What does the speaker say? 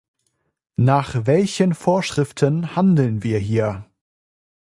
Nach welchen Vorschriften handeln wir hier?